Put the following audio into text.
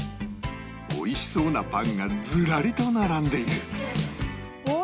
おいしそうなパンがズラリと並んでいる